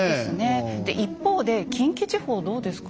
で一方で近畿地方どうですか？